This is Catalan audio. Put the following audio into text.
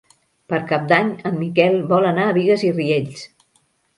Per Cap d'Any en Miquel vol anar a Bigues i Riells.